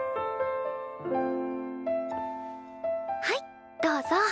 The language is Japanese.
はいどうぞ。